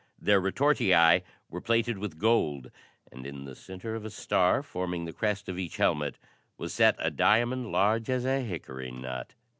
Their retortii were plated with gold, and in the center of a star forming the crest of each helmet was set a diamond large as a hickory nut.